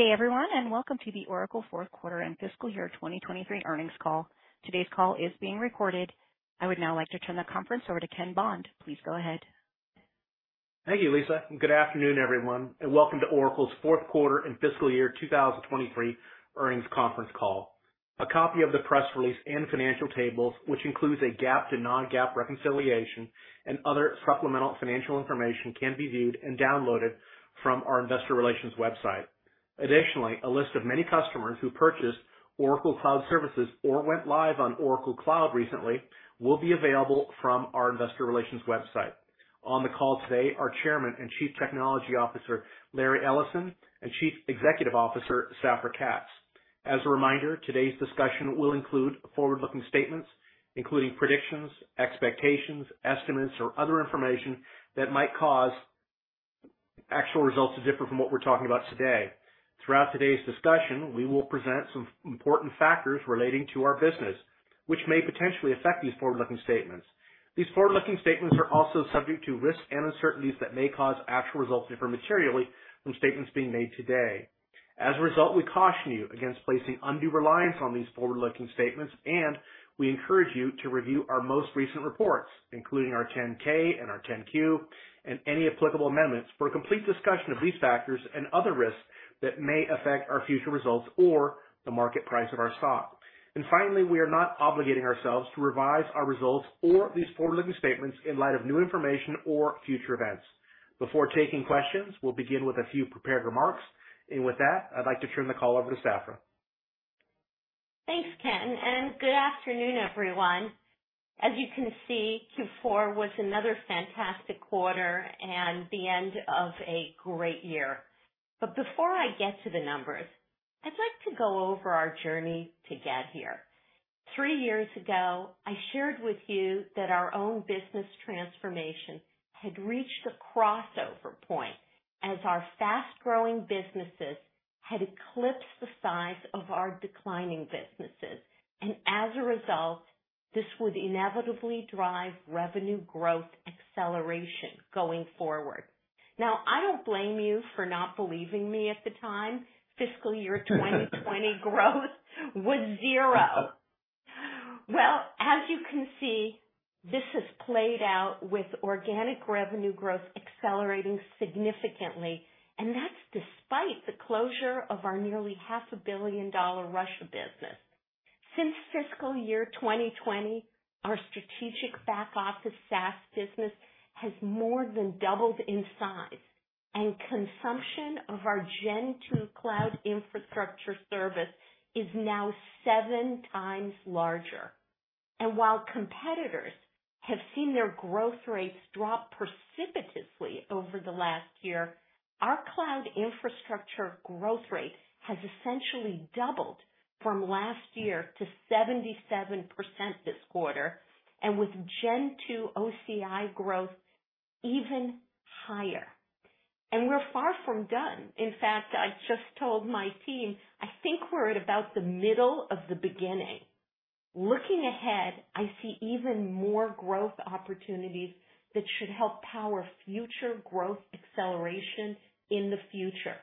Hey, everyone, welcome to the Oracle Fourth Quarter and Fiscal Year 2023 Earnings Call. Today's call is being recorded. I would now like to turn the conference over to Ken Bond. Please go ahead. Thank you, Lisa and good afternoon, everyone, and welcome to Oracle's Fourth Quarter and Fiscal Year 2023 Earnings Conference Call. A copy of the press release and financial tables, which includes a GAAP to non-GAAP reconciliation and other supplemental financial information can be viewed and downloaded from our investor relations website. Additionally, a list of many customers who purchased Oracle Cloud Services or went live on Oracle Cloud recently will be available from our investor relations website. On the call today are Chairman and Chief Technology Officer, Larry Ellison, and Chief Executive Officer, Safra Catz. As a reminder, today's discussion will include forward-looking statements, including predictions, expectations, estimates, or other information that might cause actual results to differ from what we're talking about today. Throughout today's discussion, we will present some important factors relating to our business, which may potentially affect these forward-looking statements. These forward-looking statements are also subject to risks and uncertainties that may cause actual results to differ materially from statements being made today. As a result, we caution you against placing undue reliance on these forward-looking statements, we encourage you to review our most recent reports, including our 10-K and our 10-Q, and any applicable amendments for a complete discussion of these factors and other risks that may affect our future results or the market price of our stock. Finally, we are not obligating ourselves to revise our results or these forward-looking statements in light of new information or future events. Before taking questions, we'll begin with a few prepared remarks. With that, I'd like to turn the call over to Safra. Thanks, Ken. Good afternoon, everyone. As you can see, Q4 was another fantastic quarter and the end of a great year. Before I get to the numbers, I'd like to go over our journey to get here. Three years ago, I shared with you that our own business transformation had reached the crossover point as our fast-growing businesses had eclipsed the size of our declining businesses. As a result, this would inevitably drive revenue growth acceleration going forward. Now, I don't blame you for not believing me at the time. Fiscal Year 2020 growth was zero. Well, as you can see, this has played out with organic revenue growth accelerating significantly and that's despite the closure of our nearly $500 million Russia business. Since Fiscal Year 2020, our strategic back office SaaS business has more than doubled in size, and consumption of our Gen 2 cloud infrastructure service is now 7x larger. While competitors have seen their growth rates drop precipitously over the last year, our cloud infrastructure growth rate has essentially doubled from last year to 77% this quarter and with Gen 2 OCI growth even higher. We're far from done. In fact, I just told my team, "I think we're at about the middle of the beginning." Looking ahead, I see even more growth opportunities that should help power future growth acceleration in the future.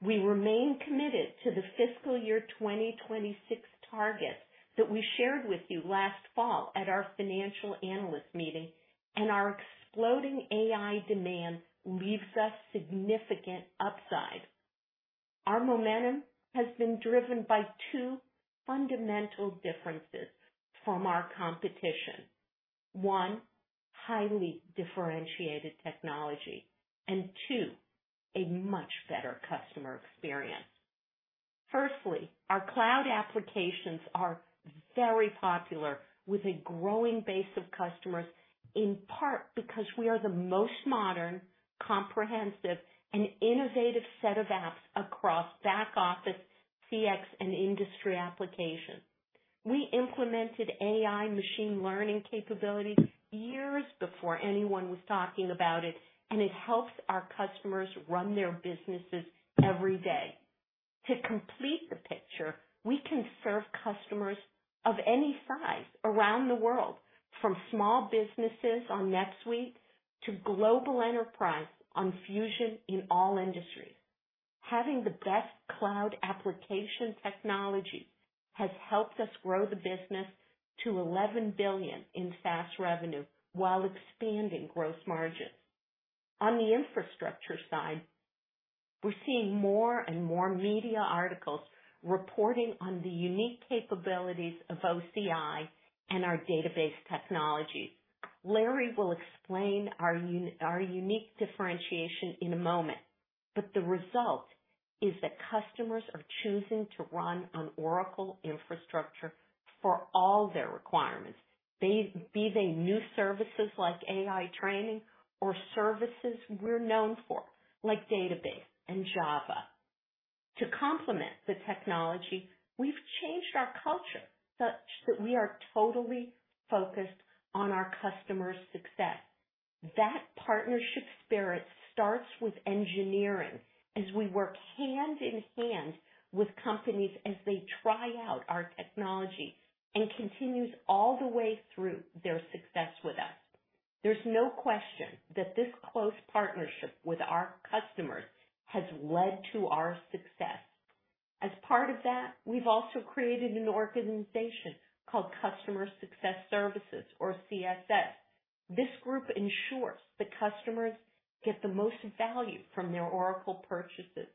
We remain committed to the Fiscal Year 2026 targets that we shared with you last fall at our financial analyst meeting, and our exploding AI demand leaves us significant upside. Our momentum has been driven by two fundamental differences from our competition. One, highly differentiated technology, and two, a much better customer experience. Firstly, our cloud applications are very popular with a growing base of customers, in part because we are the most modern, comprehensive, and innovative set of apps across back office, CX, and industry applications. We implemented AI machine learning capabilities years before anyone was talking about it, and it helps our customers run their businesses every day. To complete the picture, we can serve customers of any size around the world, from small businesses on NetSuite to global enterprise on Fusion in all industries. Having the best cloud application technology has helped us grow the business to $11 billion in SaaS revenue while expanding gross margins. On the infrastructure side, we're seeing more and more media articles reporting on the unique capabilities of OCI and our database technologies. Larry will explain our unique differentiation in a moment. The result is that customers are choosing to run on Oracle infrastructure for all their requirements. Be they new services like AI training or services we're known for like database and Java. To complement the technology, we've changed our culture such that we are totally focused on our customers' success. That partnership spirit starts with engineering as we work hand in hand with companies as they try out our technology, and continues all the way through their success with us. There's no question that this close partnership with our customers has led to our success. As part of that, we've also created an organization called Customer Success Services or CSS. This group ensures that customers get the most value from their Oracle purchases,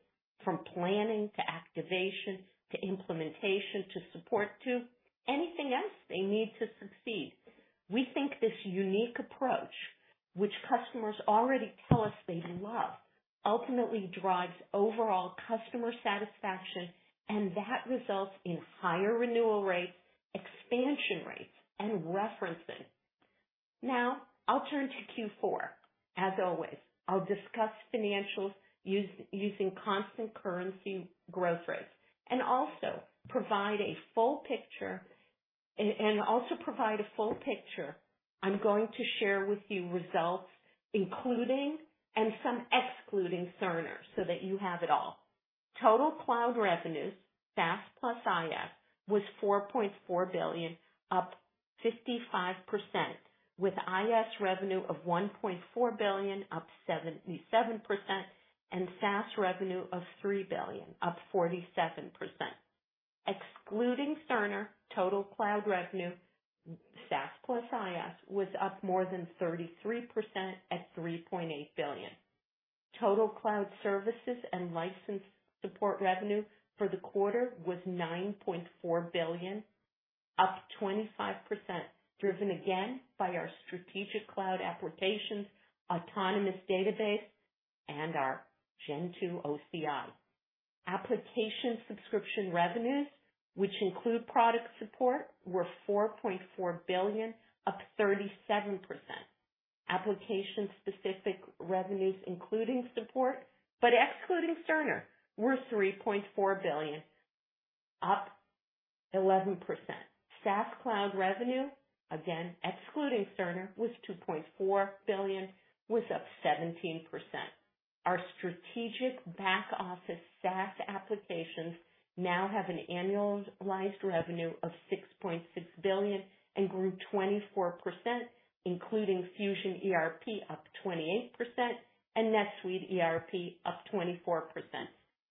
from planning, to activation, to implementation, to support, to anything else they need to succeed. We think this unique approach, which customers already tell us they love, ultimately drives overall customer satisfaction. That results in higher renewal rates, expansion rates, and references. Now, I'll turn to Q4. As always, I'll discuss financials using constant currency growth rates. Also provide a full picture, I'm going to share with you results, including and some excluding Cerner, so that you have it all. Total cloud revenues, SaaS plus IaaS, was $4.4 billion, up 55%, with IaaS revenue of $1.4 billion, up 77%, and SaaS revenue of $3 billion, up 47%. Excluding Cerner, total cloud revenue, SaaS plus IaaS, was up more than 33% at $3.8 billion. Total cloud services and license support revenue for the quarter was $9.4 billion, up 25%, driven again by our strategic cloud applications, Autonomous Database, and our Gen 2 OCI. Application subscription revenues, which include product support, were $4.4 billion, up 37%. Application-specific revenues, including support but excluding Cerner, were $3.4 billion, up 11%. SaaS cloud revenue, again excluding Cerner, was $2.4 billion, up 17%. Our strategic back-office SaaS applications now have an annualized revenue of $6.6 billion and grew 24%, including Fusion ERP up 28% and NetSuite ERP up 24%.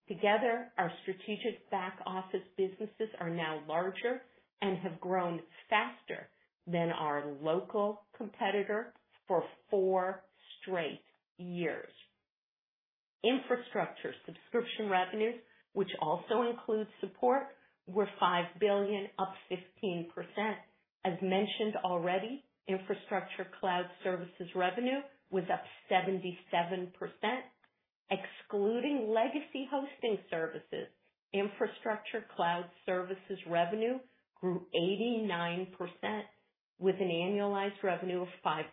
Together, our strategic back-office businesses are now larger and have grown faster than our local competitor for four straight years. Infrastructure subscription revenues, which also includes support, were $5 billion, up 15%. As mentioned already, infrastructure cloud services revenue was up 77%. Excluding legacy hosting services, infrastructure cloud services revenue grew 89%, with an annualized revenue of $5.2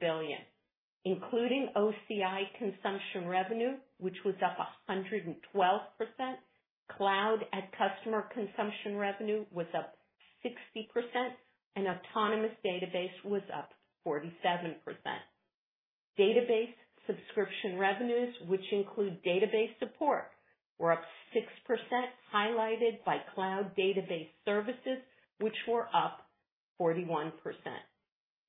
billion. Including OCI consumption revenue, which was up 112%, Cloud@Customer consumption revenue was up 60%, and Autonomous Database was up 47%. Database subscription revenues, which include database support, were up 6%, highlighted by cloud database services, which were up 41%.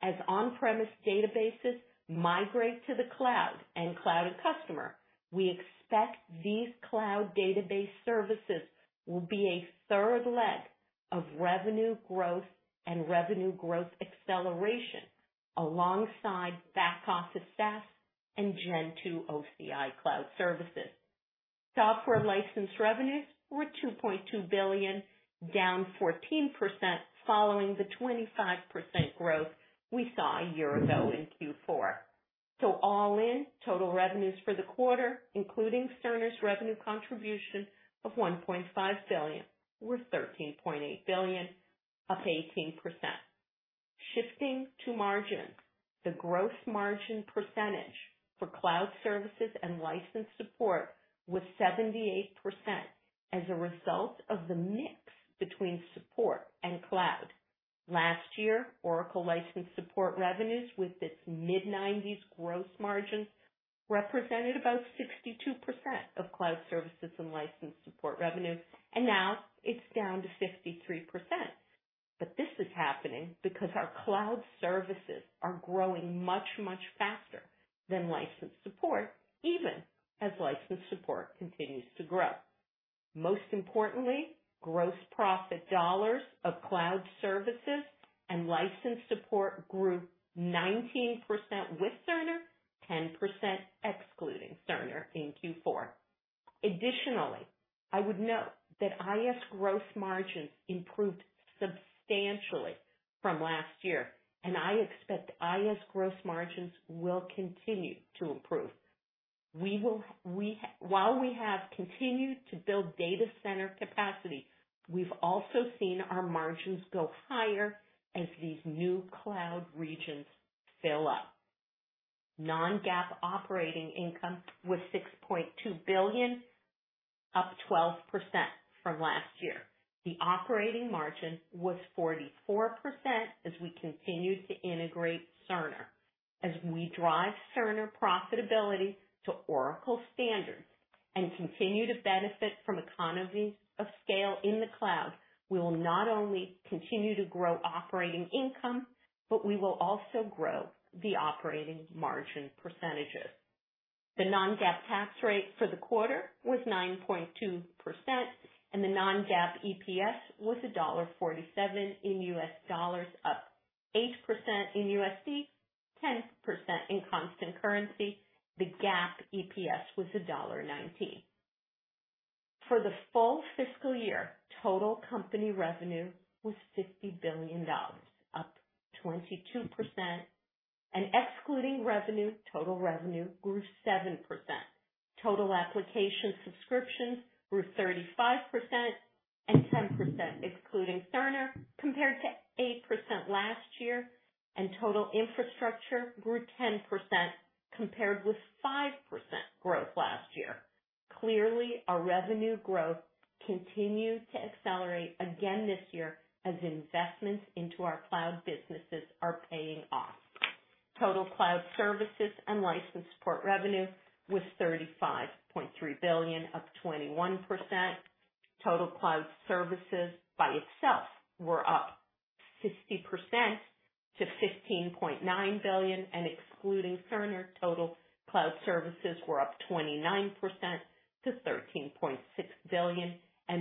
As on-premise databases migrate to the cloud and Cloud@Customer, we expect these cloud database services will be a third leg of revenue growth and revenue growth acceleration alongside back-office SaaS and Gen 2 OCI cloud services. Software license revenues were $2.2 billion, down 14% following the 25% growth we saw a year ago in Q4. All in, total revenues for the quarter, including Cerner's revenue contribution of $1.5 billion, with $13.8 billion, up 18%. Shifting to margin, the gross margin percentage for cloud services and license support was 78% as a result of the mix between support and cloud. Last year, Oracle license support revenues with its mid-90s gross margin, represented about 62% of cloud services and license support revenue and now it's down to 53%. This is happening because our cloud services are growing much, much faster than license support even as license support continues to grow. Most importantly, gross profit dollars of cloud services and license support grew 19% with Cerner, 10% excluding Cerner in Q4. Additionally, I would note that IaaS gross margins improved substantially from last year. I expect IaaS gross margins will continue to improve. While we have continued to build data center capacity, we've also seen our margins go higher as these new cloud regions fill up. Non-GAAP operating income was $6.2 billion, up 12% from last year. The operating margin was 44% as we continued to integrate Cerner. As we drive Cerner profitability to Oracle standards and continue to benefit from economies of scale in the cloud, we will not only continue to grow operating income, but we will also grow the operating margin percentages. The non-GAAP tax rate for the quarter was 9.2%. The non-GAAP EPS was $1.47 up 8% in USD, 10% in constant currency. The GAAP EPS was $1.19. For the full fiscal year, total company revenue was $50 billion, up 22%, and excluding revenue, total revenue grew 7%. Total application subscriptions grew 35% and 10% excluding Cerner compared to 8% last year. Total infrastructure grew 10%, compared with 5% growth last year. Clearly, our revenue growth continue to accelerate again this year as investments into our cloud businesses are paying off. Total cloud services and license support revenue was $35.3 billion, up 21%. Total cloud services by itself were up 60% to $15.9 billion. Excluding Cerner, total cloud services were up 29% to $13.6 billion.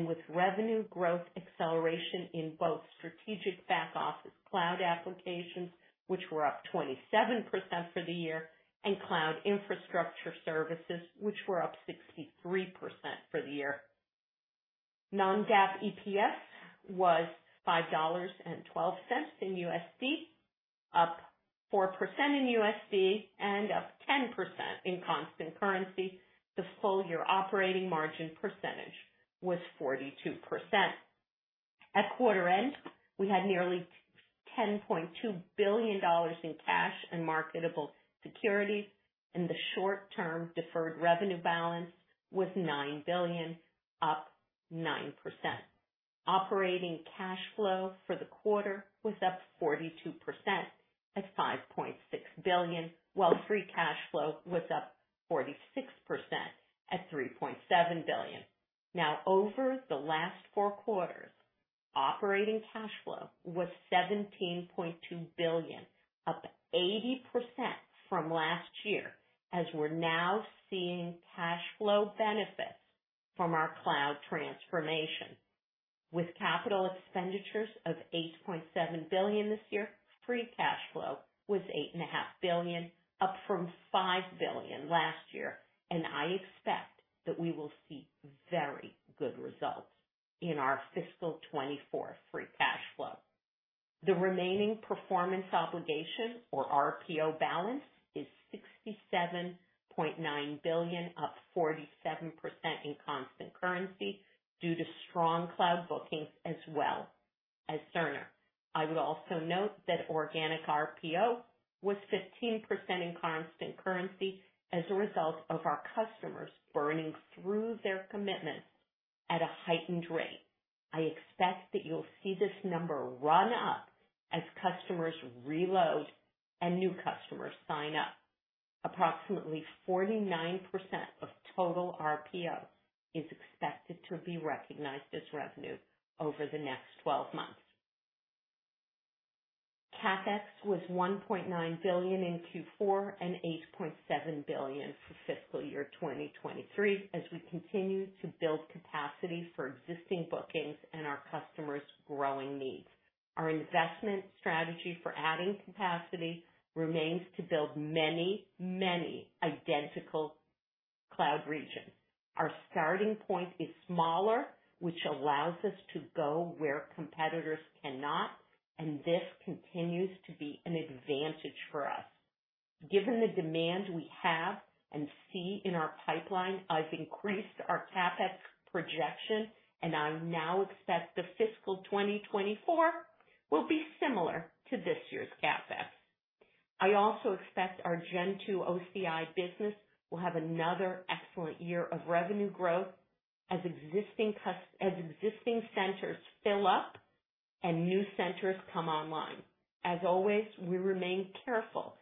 With revenue growth acceleration in both strategic back-office cloud applications, which were up 27% for the year, and cloud infrastructure services, which were up 63% for the year. Non-GAAP EPS was $5.12, up 4% in USD, and up 10% in constant currency. The full-year operating margin percentage was 42%. At quarter end, we had nearly $10.2 billion in cash and marketable securities, and the short-term deferred revenue balance was $9 billion, up 9%. Operating cash flow for the quarter was up 42% at $5.6 billion, while free cash flow was up 46% at $3.7 billion. Now, over the last four quarters, operating cash flow was $17.2 billion, up 80% from last year, as we're now seeing cash flow benefits from our cloud transformation. With capital expenditures of $8.7 billion this year, free cash flow was $8.5 billion, up from $5 billion last year. I expect that we will see very good results in our Fiscal 2024 free cash flow. The remaining performance obligation, or RPO, balance is $67.9 billion, up 47% in constant currency due to strong cloud bookings as well as Cerner. I would also note that organic RPO was 15% in constant currency as a result of our customers burning through their commitments at a heightened rate. I expect that you'll see this number run up as customers reload and new customers sign up. Approximately 49% of total RPO is expected to be recognized as revenue over the next 12 months. CapEx was $1.9 billion in Q4 and $8.7 billion for Fiscal Year 2023, as we continue to build capacity for existing bookings and our customers' growing needs. Our investment strategy for adding capacity remains to build many, many identical cloud regions. Our starting point is smaller, which allows us to go where competitors cannot, and this continues to be an advantage for us. Given the demand we have and see in our pipeline, I have increased our CapEx projection, and I now expect the Fiscal 2024 will be similar to this year's CapEx. I also expect our Gen 2 OCI business will have another excellent year of revenue growth as existing centers fill up and new centers come online. As always, we remain careful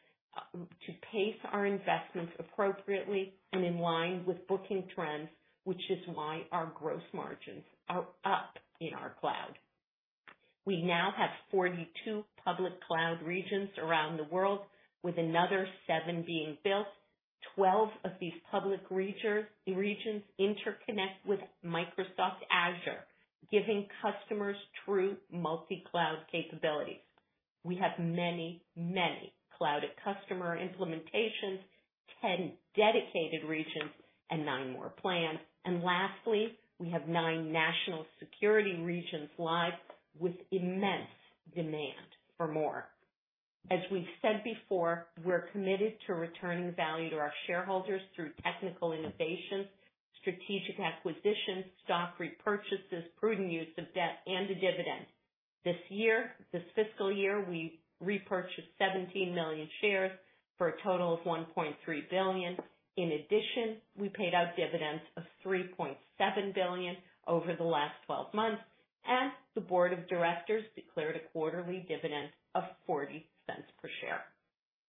to pace our investments appropriately and in line with booking trends, which is why our gross margins are up in our cloud. We now have 42 public cloud regions around the world, with another seven being built. Twelve of these public regions interconnect with Microsoft Azure, giving customers true multi-cloud capabilities. We have many, many Cloud@Customer implementations, 10 dedicated regions, and nine more planned. Lastly, we have nine national security regions live with immense demand for more. As we've said before, we're committed to returning value to our shareholders through technical innovations, strategic acquisitions, stock repurchases, prudent use of debt, and a dividend. This year, this fiscal year, we repurchased 17 million shares for a total of $1.3 billion. In addition, we paid out dividends of $3.7 billion over the last 12 months. The board of directors declared a quarterly dividend of $0.40 per share.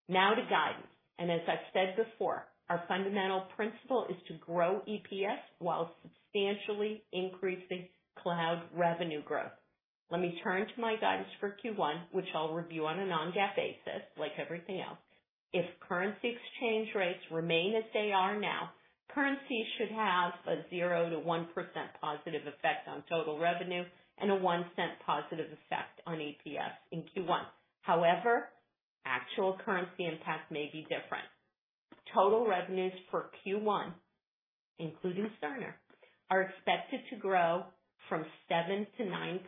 Now to guidance. As I've said before, our fundamental principle is to grow EPS while substantially increasing cloud revenue growth. Let me turn to my guidance for Q1, which I'll review on a non-GAAP basis, like everything else. If currency exchange rates remain as they are now, currency should have a 0% to 1% positive effect on total revenue and a $0.01 positive effect on EPS in Q1. However, actual currency impact may be different. Total revenues for Q1, including Cerner, are expected to grow from 7% to 9%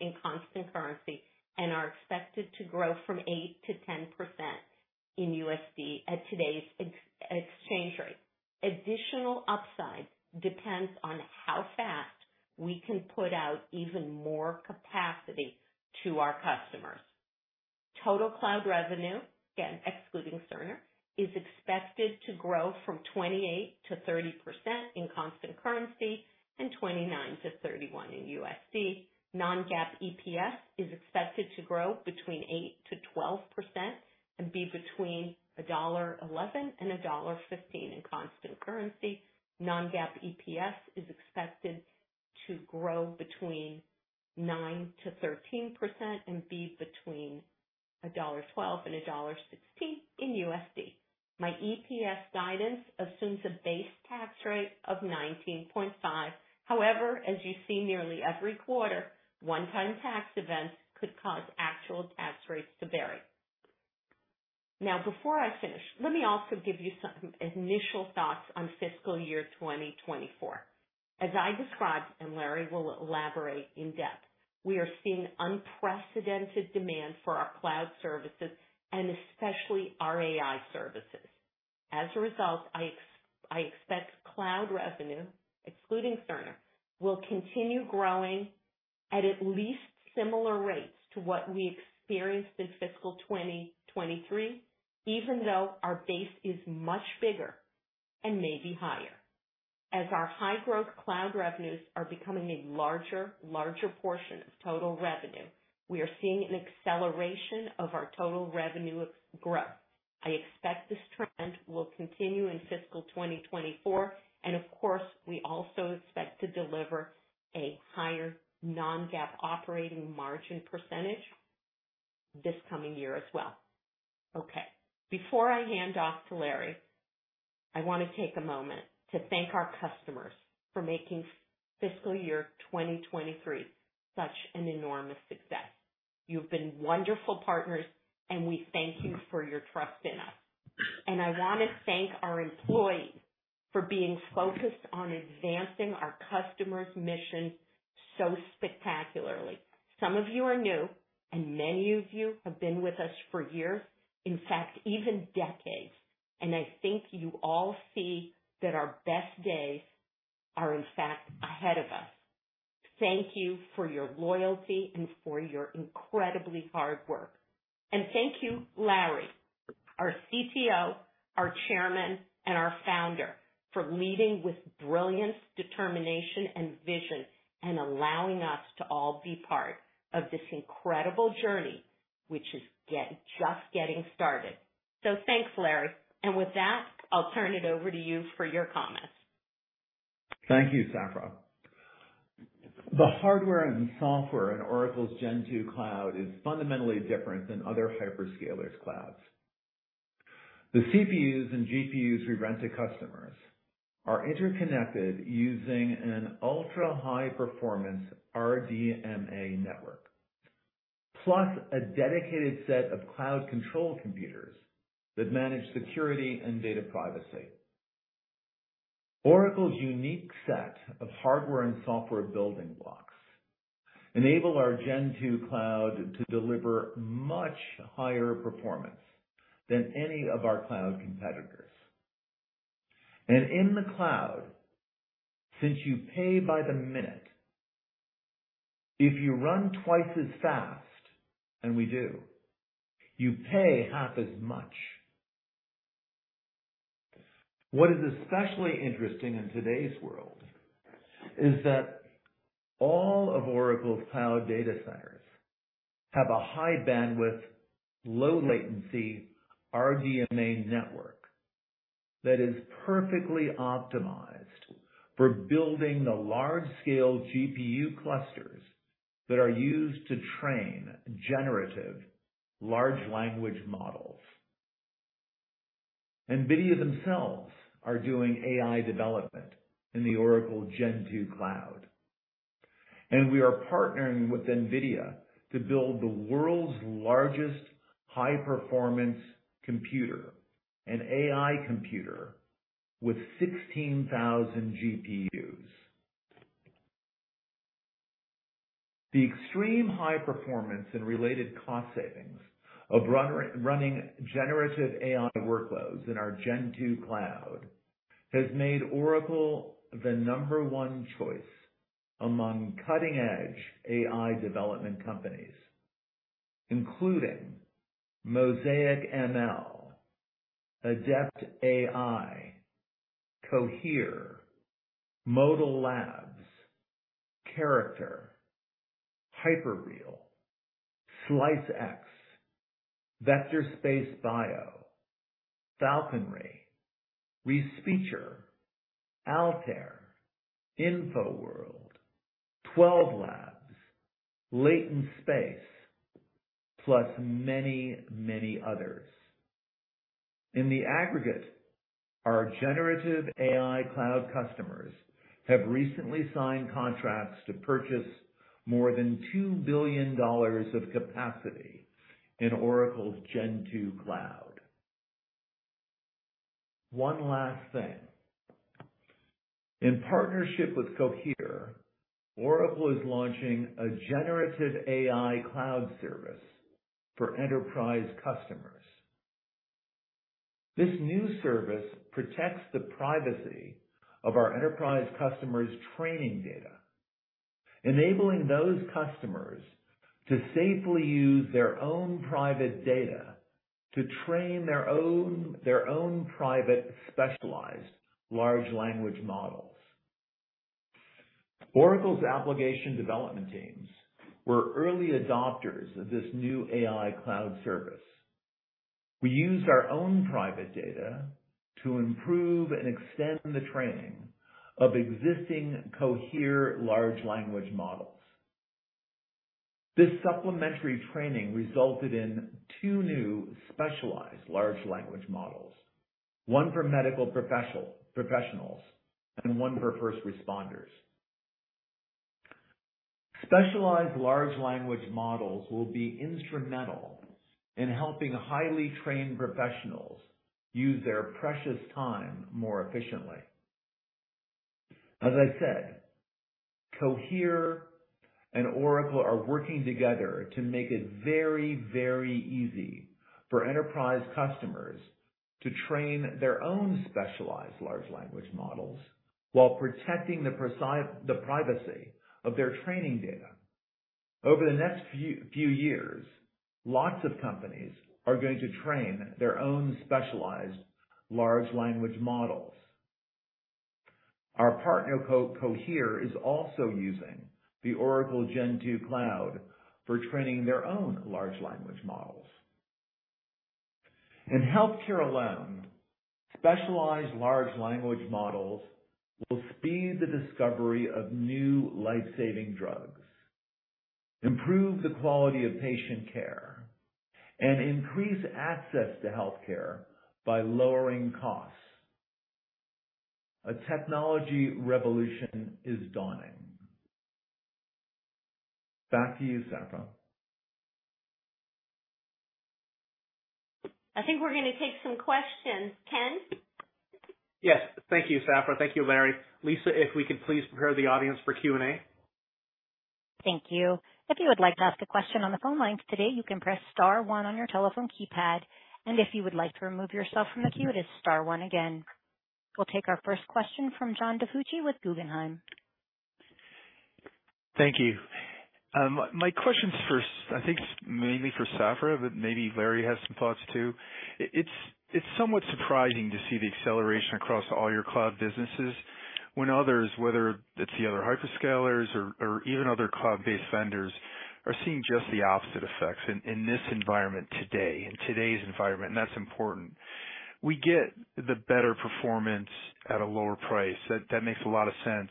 in constant currency and are expected to grow from 8% to 10% in USD at today's ex-exchange rate. Additional upside depends on how fast we can put out even more capacity to our customers. Total cloud revenue, again, excluding Cerner, is expected to grow from 28% to 30% in constant currency and 29% to 31% in USD. Non-GAAP EPS is expected to grow between 8% to 12% and be between $1.11 and $1.15 in constant currency. Non-GAAP EPS is expected to grow between 9% to 13% and be between $1.12 and $1.16. My EPS guidance assumes a base tax rate of 19.5%. As you see, nearly every quarter, one-time tax events could cause actual tax rates to vary. Before I finish, let me also give you some initial thoughts on Fiscal Year 2024. As I described, and Larry will elaborate in depth, we are seeing unprecedented demand for our cloud services and especially our AI services. As a result, I expect cloud revenue, excluding Cerner, will continue growing at least similar rates to what we experienced in Fiscal 2023 even though our base is much bigger and may be higher. As our high-growth cloud revenues are becoming a larger portion of total revenue, we are seeing an acceleration of our total revenue growth. I expect this trend will continue in Fiscal 2024, and of course, we also expect to deliver a higher non-GAAP operating margin percentage this coming year as well. Okay, before I hand off to Larry, I want to take a moment to thank our customers for making Fiscal Year 2023 such an enormous success. You've been wonderful partners and we thank you for your trust in us. I want to thank our employees for being focused on advancing our customers' mission so spectacularly. Some of you are new, and many of you have been with us for years, in fact, even decades. I think you all see that our best days are, in fact, ahead of us. Thank you for your loyalty and for your incredibly hard work. Thank you, Larry, our CTO, our chairman, and our founder, for leading with brilliance, determination, and vision and allowing us to all be part of this incredible journey, which is just getting started. Thanks, Larry. With that, I'll turn it over to you for your comments. Thank you, Safra. The hardware and software in Oracle's Gen 2 cloud is fundamentally different than other hyperscalers' clouds. The CPUs and GPUs we rent to customers are interconnected using an ultra-high performance RDMA network, plus a dedicated set of cloud control computers that manage security and data privacy. Oracle's unique set of hardware and software building blocks enable our Gen 2 cloud to deliver much higher performance than any of our cloud competitors. In the cloud, since you pay by the minute, if you run twice as fast, and we do, you pay half as much. What is especially interesting in today's world is that all of Oracle's cloud data centers have a high bandwidth, low latency RDMA network that is perfectly optimized for building the large-scale GPU clusters that are used to train generative large language models. Nvidia themselves are doing AI development in the Oracle Gen 2 cloud, and we are partnering with Nvidia to build the world's largest high-performance computer, an AI computer with 16,000 GPUs. The extreme high performance and related cost savings of running generative AI workloads in our Gen 2 cloud has made Oracle the number one choice among cutting-edge AI development companies, including MosaicML, Adept AI, Cohere, Modal Labs, Character.AI, Hyperreal, SliceX AI, Vector Space Biosciences, Falkonry, Respeecher, Altair, InfoWorld, Twelve Labs, Latent Space, plus many, many others. In the aggregate, our generative AI Cloud customers have recently signed contracts to purchase more than $2 billion of capacity in Oracle's Gen 2 Cloud. One last thing. In partnership with Cohere, Oracle is launching a generative AI Cloud service for enterprise customers. This new service protects the privacy of our enterprise customers' training data, enabling those customers to safely use their own private data to train their own private specialized large language models. Oracle's application development teams were early adopters of this new AI Cloud service. We used our own private data to improve and extend the training of existing Cohere large language models. This supplementary training resulted in two new specialized large language models, one for medical professionals and one for first responders. Specialized large language models will be instrumental in helping highly trained professionals use their precious time more efficiently. As I said, Cohere and Oracle are working together to make it very, very easy for enterprise customers to train their own specialized large language models while protecting the privacy of their training data. Over the next few years, lots of companies are going to train their own specialized large language models. Our partner, Cohere, is also using the Oracle Gen 2 Cloud for training their own large language models. In healthcare alone, specialized large language models will speed the discovery of new life-saving drugs, improve the quality of patient care, and increase access to healthcare by lowering costs. A technology revolution is dawning. Back to you, Safra. I think we're going to take some questions. Ken? Yes, thank you, Safra. Thank you, Larry. Lisa, if we could please prepare the audience for Q&A. Thank you. If you would like to ask a question on the phone lines today, you can press star one on your telephone keypad, and if you would like to remove yourself from the queue, it is star one again. We'll take our first question from John DiFucci with Guggenheim. Thank you. My question is first, I think it's mainly for Safra, but maybe Larry has some thoughts, too. It's somewhat surprising to see the acceleration across all your cloud businesses when others, whether it's the other hyperscalers or even other cloud-based vendors are seeing just the opposite effects in this environment today, in today's environment, and that's important. We get the better performance at a lower price. That makes a lot of sense.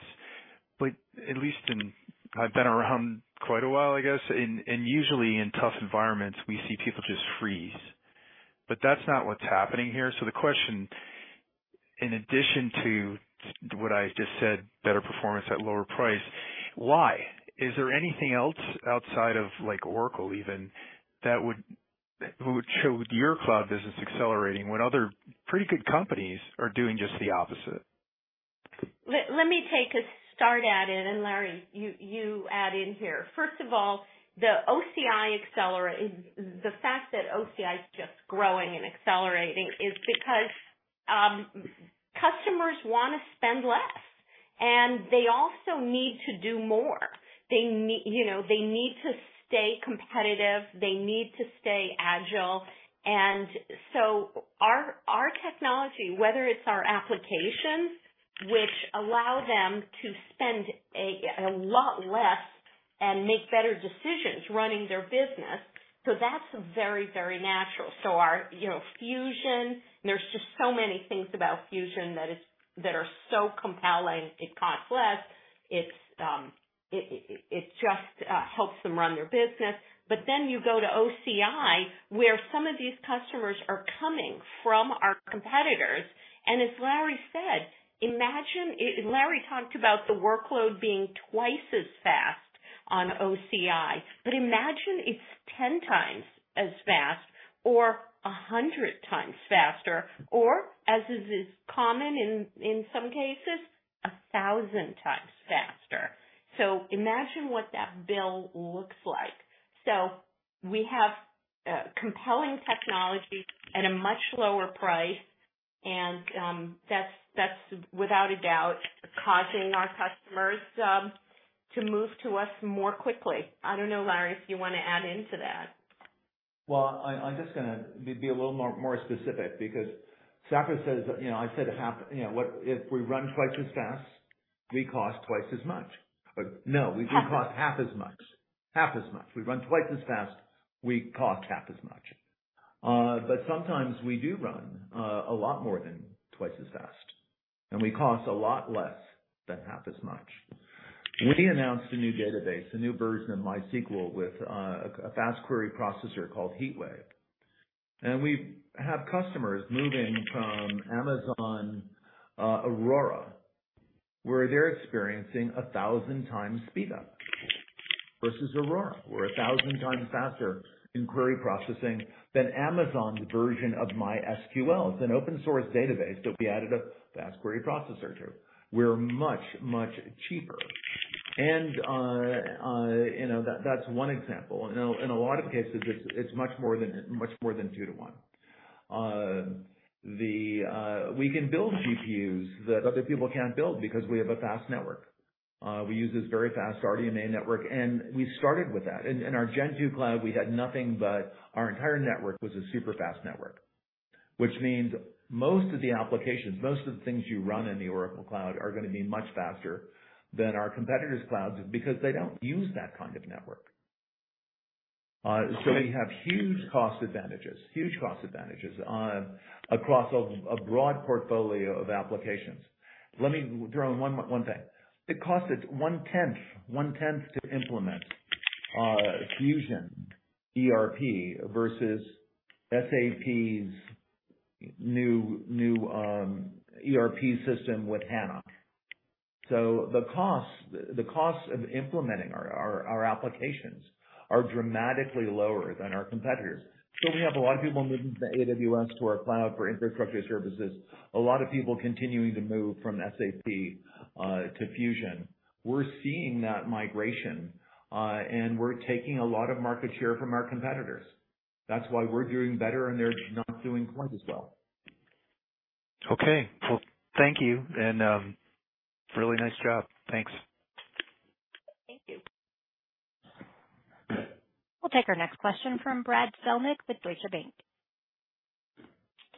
I've been around quite a while and usually in tough environments, we see people just freeze. That's not what's happening here. The question, in addition to what I just said, better performance at lower price, why? Is there anything else outside of Oracle, even, that would show your cloud business accelerating when other pretty good companies are doing just the opposite? Let me take a start at it. Larry, you add in here. First of all, the fact that OCI is just growing and accelerating is because customers want to spend less. They also need to do more. You know, they need to stay competitive, they need to stay agile. Our technology, whether it's our applications, which allow them to spend a lot less and make better decisions running their business. That's very, very natural. Our, you know, Fusion, there's just so many things about Fusion that is, that are so compelling. It costs less. It just helps them run their business. You go to OCI, where some of these customers are coming from our competitors, and as Larry said, imagine it. Larry talked about the workload being twice as fast on OCI, imagine it's 10x as fast or 100x faster, or as is common in some cases, 1,000x faster. Imagine what that bill looks like. We have compelling technology at a much lower price, and that's without a doubt causing our customers to move to us more quickly. I don't know, Larry, if you want to add into that? Well, I'm just going to be a little more specific, because Safra says, you know, I said, you know what? If we run twice as fast, we cost twice as much. No, we cost half as much. Half as much. We run twice as fast, we cost half as much. But sometimes we do run a lot more than twice as fast, and we cost a lot less than half as much. We announced a new database, a new version of MySQL, with a fast query processor called HeatWave. We've have customers moving from Amazon Aurora, where they're experiencing 1,000x speed up versus Aurora. We're 1,000x faster in query processing than Amazon's version of MySQL. It's an open source database, but we added a fast query processor to it. We're much, much cheaper. You know, that's one example. In a lot of cases, it's much more than two to one. We can build GPUs that other people can't build because we have a fast network. We use this very fast RDMA network, we started with that. In our Gen 2 cloud, we had nothing, our entire network was a super fast network, which means most of the applications, most of the things you run in the Oracle Cloud, are going to be much faster than our competitors' clouds, because they don't use that kind of network. We have huge cost advantages across a broad portfolio of applications. Let me throw in one more thing. It costs us 1/10 to implement Fusion ERP versus SAP's new ERP system with HANA. The cost of implementing our applications are dramatically lower than our competitors. We have a lot of people moving from AWS to our cloud for infrastructure services. A lot of people continuing to move from SAP to Fusion. We're seeing that migration and we're taking a lot of market share from our competitors. That's why we're doing better and they're not doing quite as well. Okay. Well, thank you and really nice job. Thanks. Thank you. We'll take our next question from Brad Zelnick with Deutsche Bank.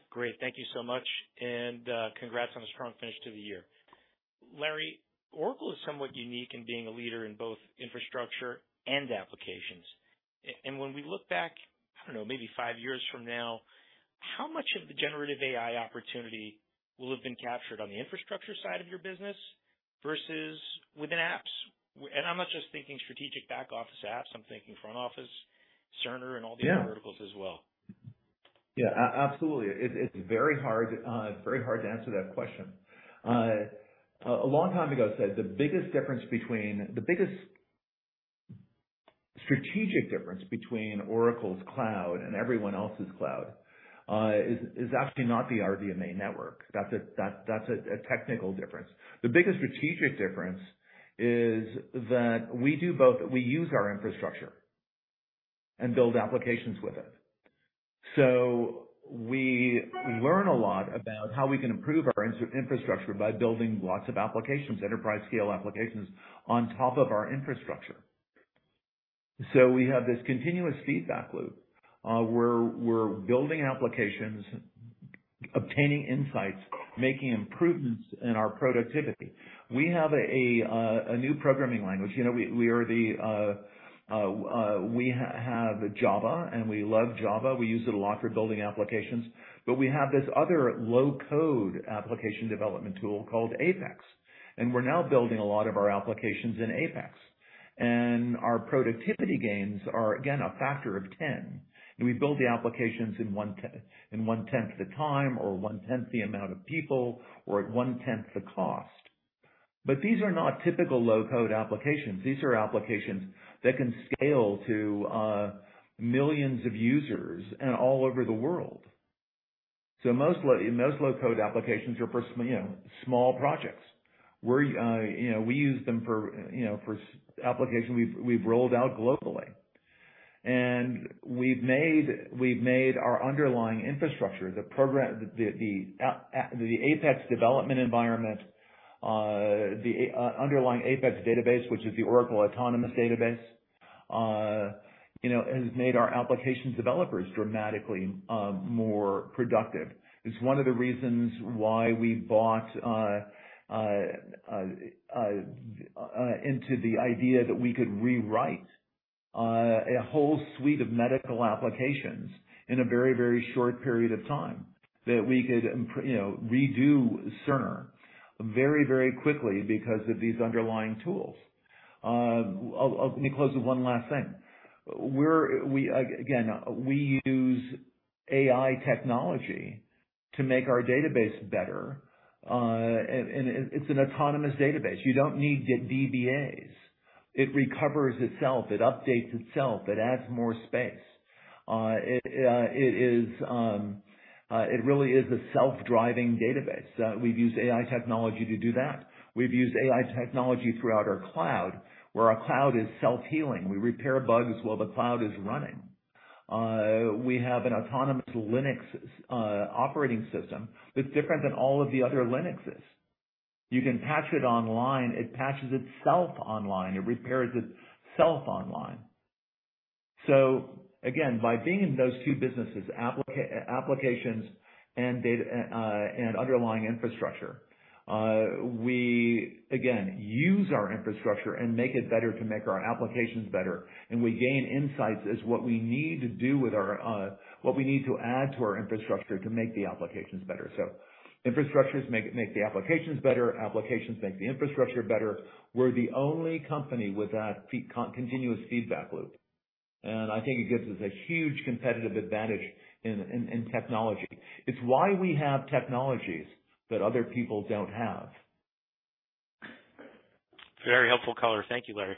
Great. Thank you so much and congrats on the strong finish to the year. Larry, Oracle is somewhat unique in being a leader in both infrastructure and applications. When we look back, I don't know, maybe five years from now, how much of the generative AI opportunity will have been captured on the infrastructure side of your business versus within apps? I'm not just thinking strategic back office apps, I'm thinking front office, Cerner, and all the other verticals as well. Yeah. Yeah, absolutely. It's very hard to answer that question. A long time ago, I said the biggest strategic difference between Oracle's cloud and everyone else's cloud is actually not the RDMA network. That's a technical difference. The biggest strategic difference is that we do both. We use our infrastructure and build applications with it. We learn a lot about how we can improve our infrastructure by building lots of applications, enterprise-scale applications, on top of our infrastructure. We have this continuous feedback loop, where we're building applications, obtaining insights, making improvements in our productivity. We have a new programming language. You know, we have Java and we love Java. We use it a lot for building applications. We have this other low-code application development tool called APEX, and we're now building a lot of our applications in APEX. Our productivity gains are, again, a factor of 10, and we build the applications in 1/10 of the time or 1/10 the amount of people, or at 1/10 the cost. These are not typical low-code applications. These are applications that can scale to millions of users and all over the world. Most low-code applications are for, you know, small projects. We're, you know, we use them for, you know, for applications we've rolled out globally. We've made our underlying infrastructure, the program, the APEX development environment, the underlying APEX database, which is the Oracle Autonomous Database, you know, has made our application developers dramatically more productive. It's one of the reasons why we bought into the idea that we could rewrite a whole suite of medical applications in a very, very short period of time. That we could, you know, redo Cerner very, very quickly because of these underlying tools. Let me close with one last thing. We again, we use AI technology to make our database better. It's an autonomous database. You don't need DBAs. It recovers itself, it updates itself, it adds more space. It is, it really is a self-driving database. We've used AI technology to do that. We've used AI technology throughout our cloud, where our cloud is self-healing. We repair bugs while the cloud is running. We have an autonomous Linux operating system that's different than all of the other Linuxes. You can patch it online. It patches itself online, it repairs itself online. Again, by being in those two businesses, applications and data, and underlying infrastructure, we again, use our infrastructure and make it better to make our applications better, and we gain insights as what we need to do with our, what we need to add to our infrastructure to make the applications better. Infrastructures make the applications better, applications make the infrastructure better. We're the only company with that continuous feedback loop and I think it gives us a huge competitive advantage in technology. It's why we have technologies that other people don't have. Very helpful color. Thank you, Larry.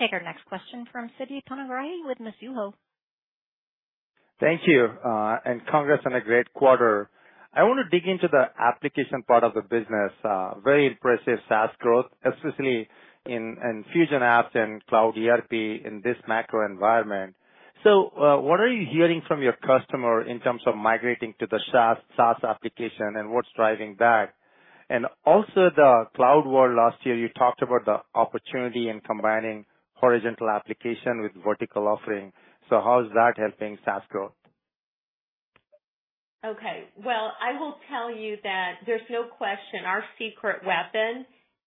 Take our next question from Siti Panigrahi with Mizuho. Thank you and congrats on a great quarter. I want to dig into the application part of the business. Very impressive SaaS growth especially in Fusion apps and Cloud ERP in this macro environment. What are you hearing from your customer in terms of migrating to the SaaS application and what's driving that? Also the cloud world, last year, you talked about the opportunity in combining horizontal application with vertical offering. How is that helping SaaS growth? Okay, well, I will tell you that there's no question, our secret weapon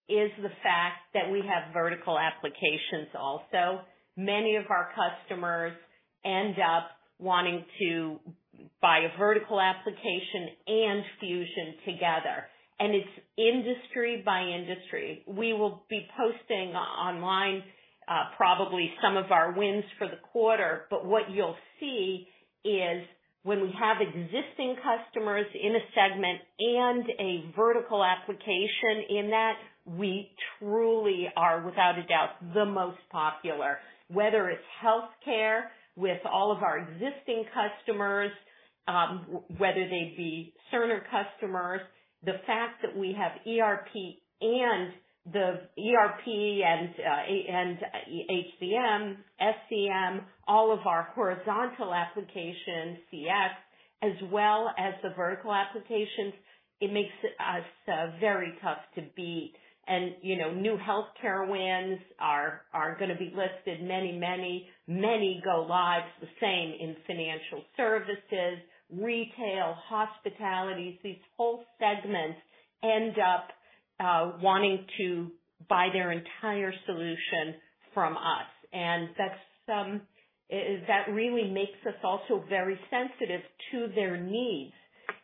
is the fact that we have vertical applications also. Many of our customers end up wanting to buy a vertical application and Fusion together, and it's industry by industry. We will be posting online, probably some of our wins for the quarter, but what you'll see is when we have existing customers in a segment and a vertical application in that, we truly are, without a doubt, the most popular. Whether it's healthcare with all of our existing customers, whether they be Cerner customers, the fact that we have ERP and the ERP and HCM, SCM, all of our horizontal applications, CX, as well as the vertical applications, it makes us very tough to beat. You know, new healthcare wins are going to be listed. Many go lives, the same in financial services, retail, hospitalities, these whole segments end up wanting to buy their entire solution from us. That really makes us also very sensitive to their needs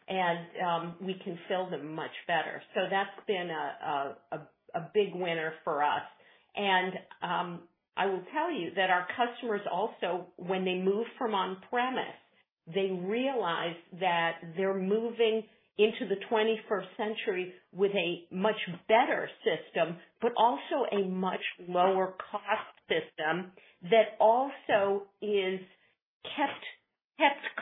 and we can fill them much better. That's been a big winner for us. I will tell you that our customers also, when they move from on-premise, they realize that they're moving into the 21st century with a much better system, but also a much lower cost system that also is kept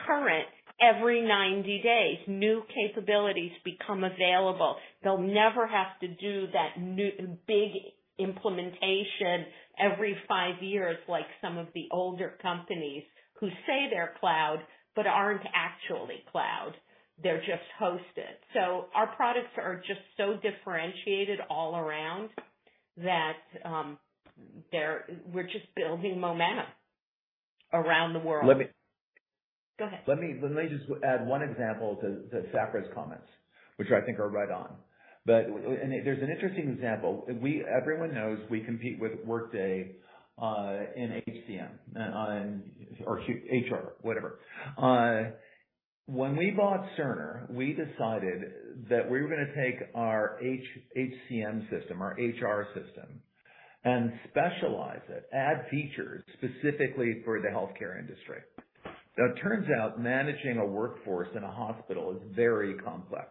current every 90 days. New capabilities become available. They'll never have to do that new big implementation every five years, like some of the older companies who say they're cloud but aren't actually cloud. They're just hosted. Our products are just so differentiated all around that we're just building momentum around the world.... Let me. Go ahead. Let me just add one example to Safra's comments, which I think are right on. There's an interesting example. Everyone knows we compete with Workday in HCM on or HR, whatever. When we bought Cerner, we decided that we were going to take our HCM system, our HR system, and specialize it, add features specifically for the healthcare industry. Now, it turns out managing a workforce in a hospital is very complex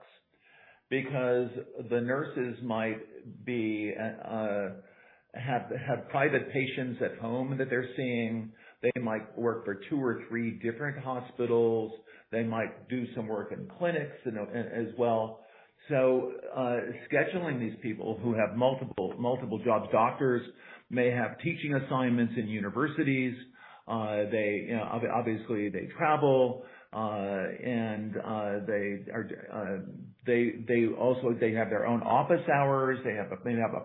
because the nurses might be have private patients at home that they're seeing. They might work for two or three different hospitals. They might do some work in clinics, you know, as well. Scheduling these people who have multiple jobs, doctors may have teaching assignments in universities. They, you know, obviously they travel, and they also have their own office hours. They have a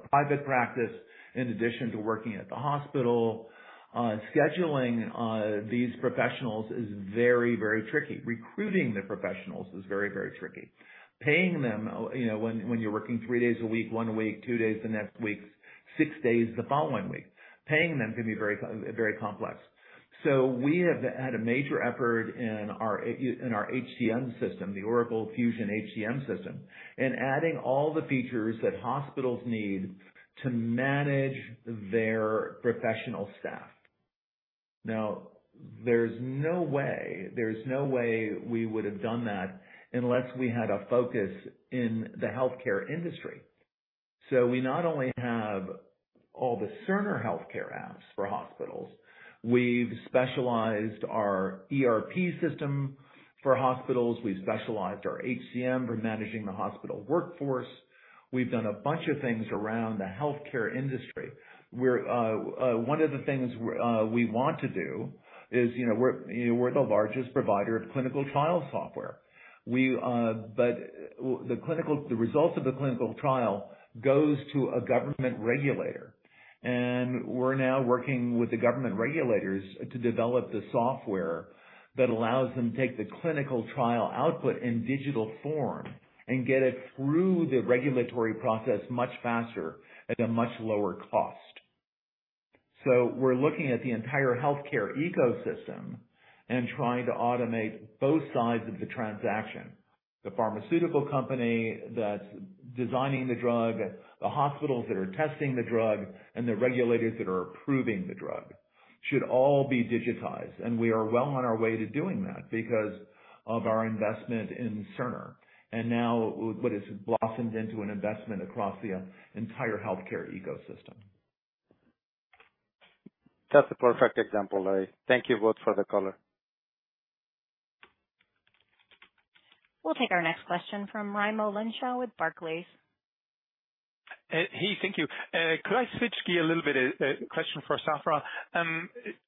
private practice in addition to working at the hospital. Scheduling these professionals is very, very tricky. Recruiting the professionals is very, very tricky. Paying them, you know, when you're working three days a week, one a week, two days the next week, six days the following week, paying them can be very complex. We have had a major effort in our HCM system, the Oracle Fusion HCM system, in adding all the features that hospitals need to manage their professional staff. Now there's no way we would have done that unless we had a focus in the healthcare industry. We not only have all the Cerner healthcare apps for hospitals, we've specialized our ERP system for hospitals, we've specialized our HCM for managing the hospital workforce. We've done a bunch of things around the healthcare industry. One of the things we want to do is, you know, we're, you know, we're the largest provider of clinical trial software. The results of the clinical trial goes to a government regulator, and we're now working with the government regulators to develop the software that allows them to take the clinical trial output in digital form and get it through the regulatory process much faster at a much lower cost. We're looking at the entire healthcare ecosystem and trying to automate both sides of the transaction. The pharmaceutical company that's designing the drug, the hospitals that are testing the drug, and the regulators that are approving the drug should all be digitized. We are well on our way to doing that because of our investment in Cerner and now what has blossomed into an investment across the entire healthcare ecosystem. That's a perfect example, Larry. Thank you both for the color. We'll take our next question from Raimo Lenschow with Barclays. Hey, thank you. Could I switch gear a little bit, a question for Safra?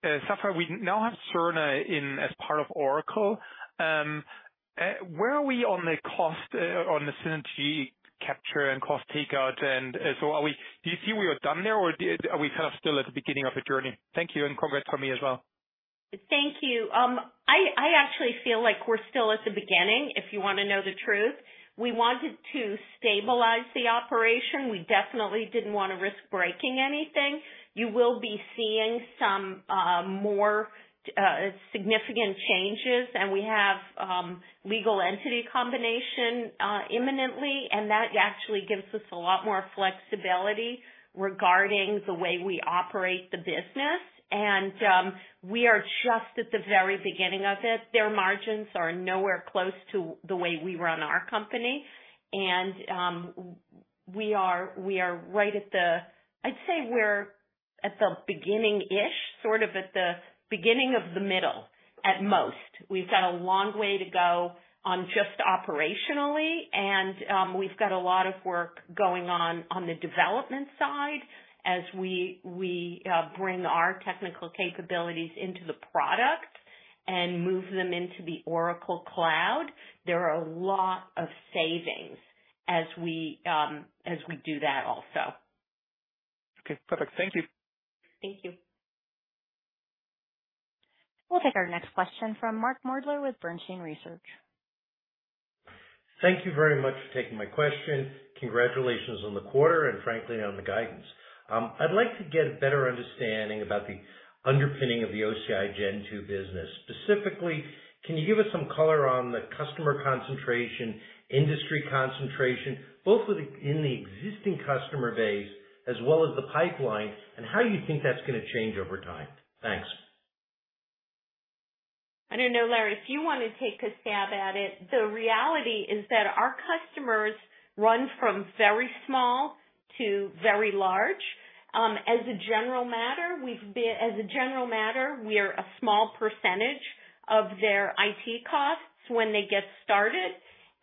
Safra, we now have Cerner in as part of Oracle. Where are we on the cost on the synergy capture and cost takeout, and do you see we are done there, or are we kind of still at the beginning of a journey? Thank you and congrats for me as well. Thank you. I actually feel like we're still at the beginning, if you want to know the truth. We wanted to stabilize the operation. We definitely didn't want to risk breaking anything. You will be seeing some more significant changes, and we have legal entity combination imminently, and that actually gives us a lot more flexibility regarding the way we operate the business. And we are just at the very beginning of it. Their margins are nowhere close to the way we run our company, and we are right at the, I'd say we're at the beginning-ish, sort of at the beginning of the middle, at most. We've got a long way to go on just operationally, and we've got a lot of work going on on the development side as we bring our technical capabilities into the product and move them into the Oracle Cloud. There are a lot of savings as we as we do that also. Okay, perfect. Thank you. Thank you. We'll take our next question from Mark Moerdler with Bernstein Research. Thank you very much for taking my question. Congratulations on the quarter and frankly, on the guidance. I'd like to get a better understanding about the underpinning of the OCI Gen 2 business. Specifically, can you give us some color on the customer concentration, industry concentration, both in the existing customer base as well as the pipeline, and how you think that's going to change over time? Thanks. I don't know, Larry, if you want to take a stab at it. The reality is that our customers run from very small to very large. As a general matter, we are a small percentage of their IT costs when they get started,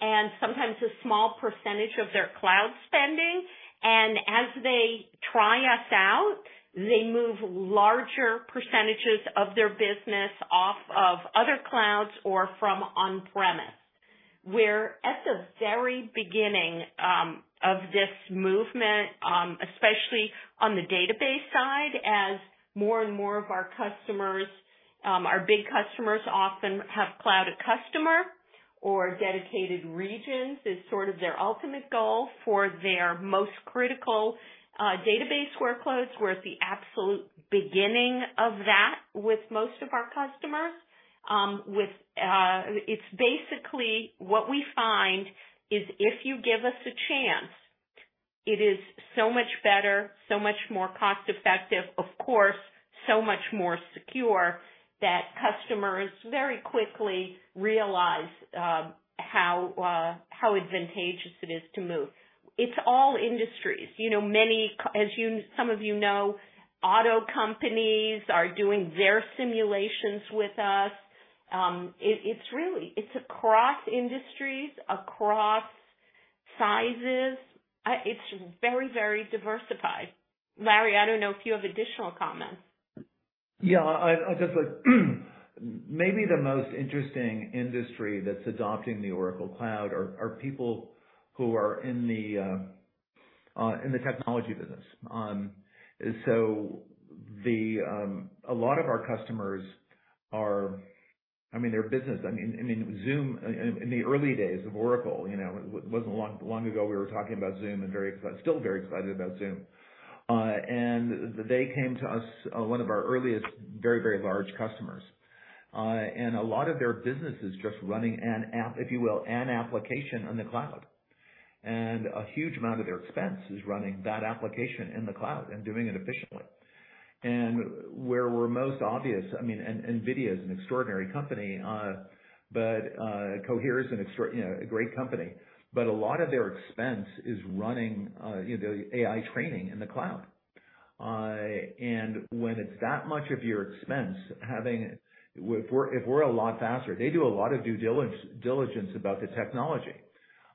and sometimes a small percentage of their cloud spending, and as they try us out, they move larger percentages of their business off of other clouds or from on premise. We're at the very beginning of this movement, especially on the database side, as more and more of our customers, our big customers often have Cloud@Customer or dedicated regions, is sort of their ultimate goal for their most critical database workloads. We're at the absolute beginning of that with most of our customers. With, it's basically what we find is if you give us a chance, it is so much better, so much more cost effective, of course, so much more secure, that customers very quickly realize how advantageous it is to move. It's all industries. You know, as you, some of you know, auto companies are doing their simulations with us. It's really, it's across industries, across sizes. It's very, very diversified. Larry, I don't know if you have additional comments? Yeah, I'd just like, maybe the most interesting industry that's adopting the Oracle Cloud are people who are in the technology business. A lot of our customers are, I mean, their business, I mean, Zoom in the early days of Oracle, you know, it wasn't long, long ago we were talking about Zoom and very excited, still very excited about Zoom. They came to us, one of our earliest, very, very large customers, and a lot of their business is just running an app, if you will, an application on the cloud. A huge amount of their expense is running that application in the cloud and doing it efficiently. Where we're most obvious, I mean, Nvidia is an extraordinary company, but Cohere is an extra, you know, a great company, but a lot of their expense is running, you know, the AI training in the cloud. When it's that much of your expense, having, if we're a lot faster, they do a lot of due diligence about the technology.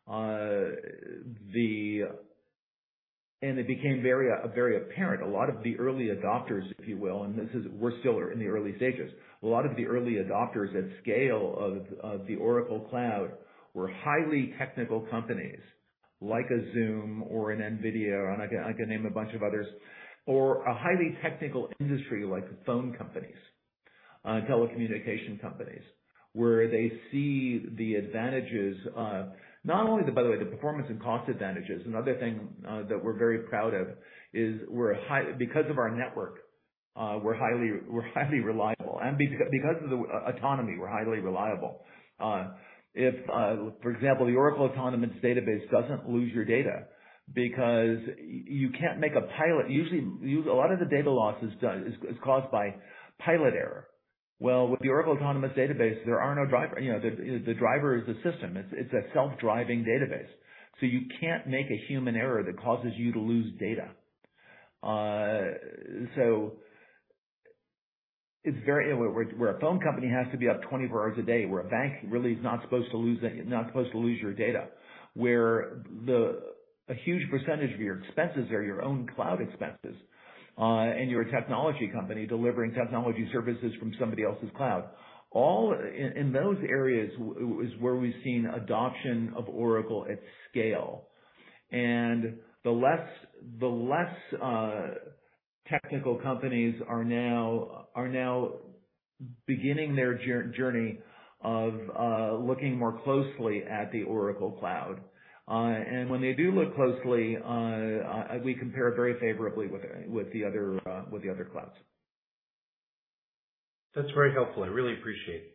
It became very, very apparent, a lot of the early adopters, if you will, and this is, we're still in the early stages. A lot of the early adopters at scale of the Oracle Cloud were highly technical companies like a Zoom or an Nvidia, and I can name a bunch of others, or a highly technical industry like phone companies, telecommunication companies, where they see the advantages of not only the, by the way, the performance and cost advantages. Another thing that we're very proud of is we're highly because of our network, we're highly reliable, and because of the autonomy, we're highly reliable. If, for example, the Oracle Autonomous Database doesn't lose your data because you can't make a pilot. Usually, you a lot of the data loss is done, is caused by pilot error. With the Oracle Autonomous Database, there are no driver. You know, the driver is the system. It's a self-driving database. You can't make a human error that causes you to lose data. Where a phone company has to be up 24 hours a day, where a bank really is not supposed to lose your data, where a huge percentage of your expenses are your own cloud expenses, and you're a technology company delivering technology services from somebody else's cloud. All in those areas is where we've seen adoption of Oracle at scale. The less technical companies are now beginning their journey of looking more closely at the Oracle Cloud. When they do look closely, we compare very favorably with the other clouds. That's very helpful. I really appreciate it.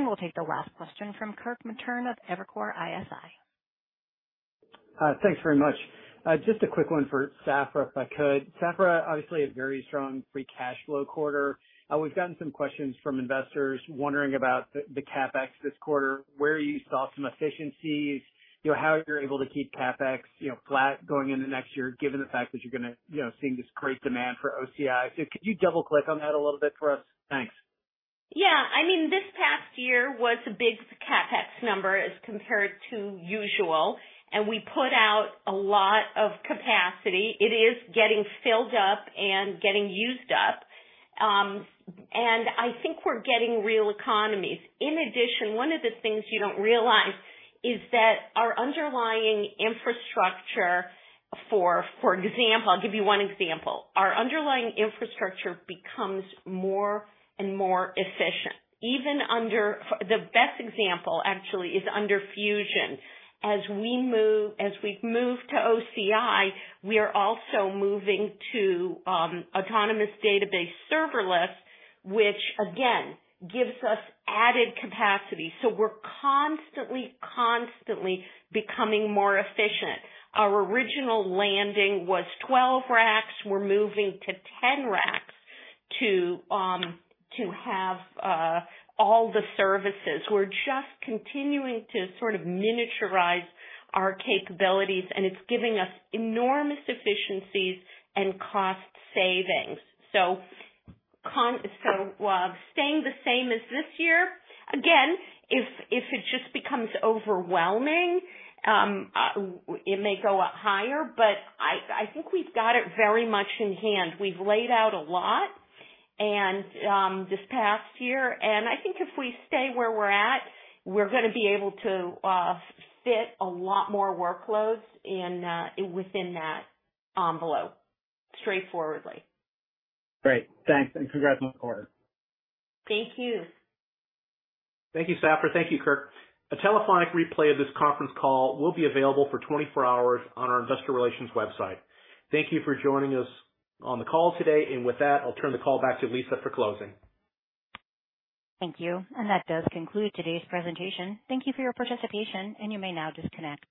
We'll take the last question from Kirk Materne of Evercore ISI. Thanks very much. Just a quick one for Safra, if I could. Safra, obviously a very strong free cash flow quarter. We've gotten some questions from investors wondering about the CapEx this quarter, where you saw some efficiencies, you know, how you're able to keep CapEx, you know, flat going into next year, given the fact that you're going to, you know, seeing this great demand for OCI. Could you double-click on that a little bit for us? Thanks. Yeah. I mean, this past year was a big CapEx number as compared to usual. We put out a lot of capacity. It is getting filled up and getting used up. I think we're getting real economies. In addition, one of the things you don't realize is that our underlying infrastructure, for example, I'll give you one example. Our underlying infrastructure becomes more and more efficient. The best example actually is under Fusion. As we've moved to OCI, we are also moving to Oracle Autonomous Database serverless, which again, gives us added capacity. We're constantly, constantly becoming more efficient. Our original landing was 12 racks. We're moving to 10 racks to have all the services. We're just continuing to sort of miniaturize our capabilities. It's giving us enormous efficiencies and cost savings. Staying the same as this year, again, if it just becomes overwhelming, it may go up higher, but I think we've got it very much in hand. We've laid out a lot, and this past year, and I think if we stay where we're at, we're going to be able to fit a lot more workloads in within that envelope, straightforwardly. Great. Thanks and congrats on the quarter. Thank you. Thank you, Safra. Thank you, Kirk. A telephonic replay of this conference call will be available for 24 hours on our investor relations website. Thank you for joining us on the call today. With that, I'll turn the call back to Lisa for closing. Thank you. That does conclude today's presentation. Thank you for your participation, and you may now disconnect.